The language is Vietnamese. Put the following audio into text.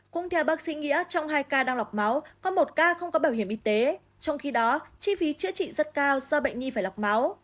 cũng theo bác sĩ nghĩa trong hai ca đang lọc máu có một ca không có bảo hiểm y tế trong khi đó chi phí chữa trị rất cao do bệnh nhi phải lọc máu